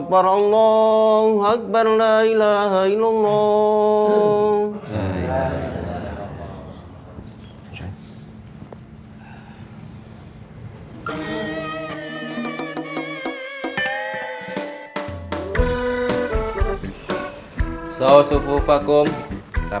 palingan hanya hari minggu aja